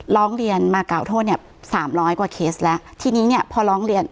ร้องเรียนมากล่าวโทษเนี่ยสามร้อยกว่าเคสแล้วทีนี้เนี่ยพอร้องเรียน